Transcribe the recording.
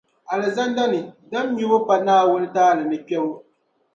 Alizandani dam nyubu pa Naawuni taali ni kpɛbu.